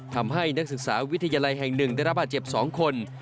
ทำให้นักศึกษาวิทยาลัยแห่ง๑ได้รับบาดเจ็บ๒คน